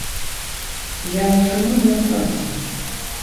Я чаму не на працы?